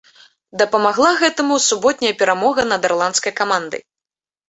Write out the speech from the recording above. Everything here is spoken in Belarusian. Дапамагла гэтаму суботняя перамога над ірландскай камандай.